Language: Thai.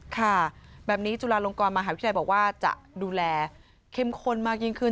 ค่ะแบบนี้จุฬาลงกรมหาวิทยาลัยบอกว่าจะดูแลเข้มข้นมากยิ่งขึ้น